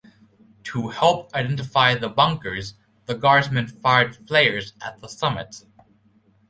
To help identify the bunkers, the Guardsmen fired flares at the summit.